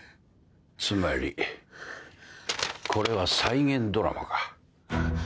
つまりこれは再現ドラマか。